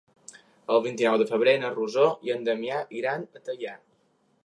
El vint-i-nou de febrer na Rosó i en Damià iran a Teià.